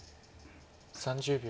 ３０秒。